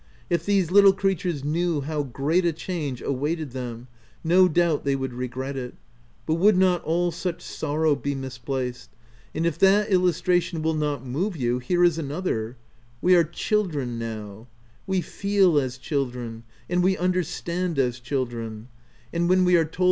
If these little creatures knew how great a change awaited them, no doubt they would regret it ; but would not all such sorrow be misplaced ? And if that illustration will not move you, here is another :— We are children now ; we feel as children, and we un derstand as children : and when we are told OF WILDFELL HALL.